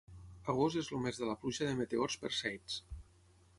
Agost és el mes de la pluja de meteors Perseids